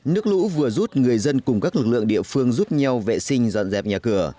nước lũ vừa rút người dân cùng các lực lượng địa phương giúp nhau vệ sinh dọn dẹp nhà cửa